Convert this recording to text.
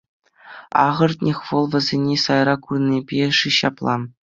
Ахӑртнех, вӑл вӗсене сайра курнипе-ши ҫапла.